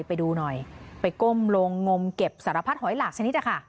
ไปดูหน่อยไปก้มลงงมเก็บสารพัดหอยหลากชนิดนะคะ